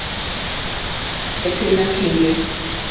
Kíŋgɛ̀ tɛ́ nà kíŋgɛ̀.